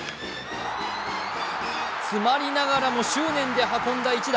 詰まりながらも執念で運んだ一打。